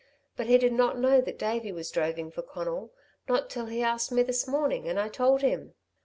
But he did not know that Davey was droving for Conal, not till he asked me this morning, and I told him.